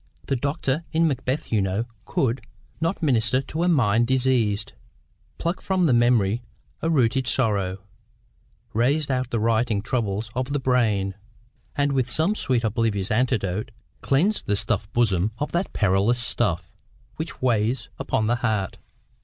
The doctor in 'Macbeth,' you know, could 'not minister to a mind diseased, Pluck from the memory a rooted sorrow, Raze out the written troubles of the brain, And with some sweet oblivious antidote Cleanse the stuff'd bosom of that perilous stuff Which weighs upon the heart.